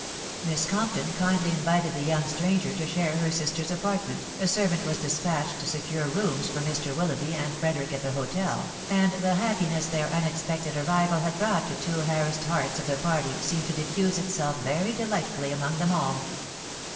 Miss Compton kindly invited the young stranger to share her sister's apartment, a servant was despatched to secure rooms for Mr. Willoughby and Frederick at the hotel, and the happiness their unexpected arrival had brought to two harassed hearts of the party seemed to diffuse itself very delightfully among them all.